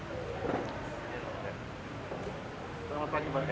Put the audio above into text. selamat pagi pak